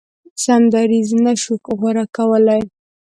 سم دریځ نه شو غوره کولای.